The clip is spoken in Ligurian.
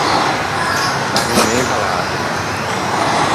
Da un momento à l’atro.